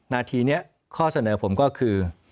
นาทีนี้ข้อเสนอผมก็คือ